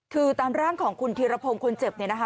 คือตามร่างของคุณธีรพงศ์คนเจ็บเนี่ยนะคะ